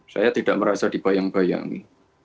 saya tidak merasa dibayang bayangi